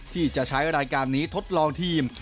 ที่จะใช้รายการนี้ทดลองทีม